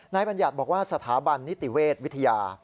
บัญญัติบอกว่าสถาบันนิติเวชวิทยา